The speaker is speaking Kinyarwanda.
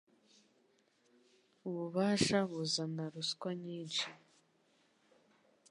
Ububasha buzana ruswa nyishyi